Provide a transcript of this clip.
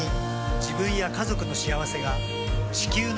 自分や家族の幸せが地球の幸せにつながっている。